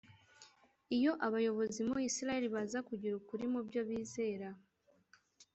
Iyo abayobozi mu Isiraheli baza kugira ukuri mu byo bizera